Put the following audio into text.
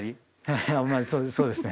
ハハいやまあそうですね。